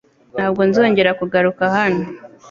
Ntabwo nzongera kugaruka hano.